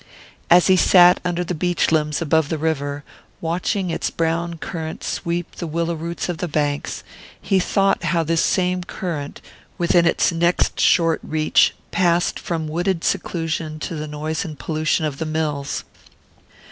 As he sat under the beech limbs above the river, watching its brown current sweep the willow roots of the banks, he thought how this same current, within its next short reach, passed from wooded seclusion to the noise and pollution of the mills.